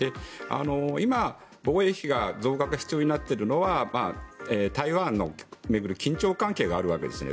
今、防衛費の増額が必要になっているのは台湾を巡る緊張関係があるわけですね。